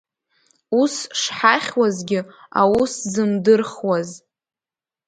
Ус шҳахьуазгьы аусзымдырхуаз.